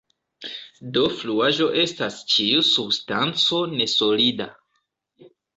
Do fluaĵo estas ĉiu substanco ne-solida.